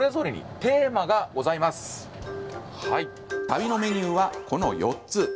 旅のメニューは、この４つ。